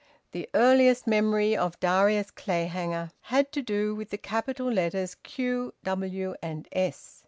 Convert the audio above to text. The earliest memory of Darius Clayhanger had to do with the capital letters Q W and S.